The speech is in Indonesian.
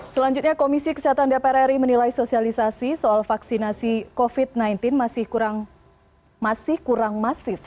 selanjutnya komisi kesehatan dpr ri menilai sosialisasi soal vaksinasi covid sembilan belas masih kurang masif